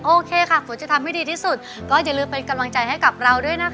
โอเคค่ะฝนจะทำให้ดีที่สุดก็อย่าลืมเป็นกำลังใจให้กับเราด้วยนะคะ